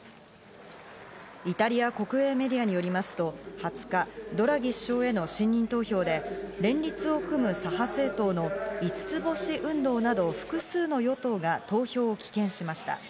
イタリア国営メディアによりますと２０日、ドラギ首相への信任投票で、連立を組む左派政党の五つ星運動など複数の与党が投票を棄権しました。